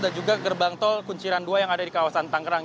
dan juga gerbang tol kunciran dua yang ada di kawasan tangerang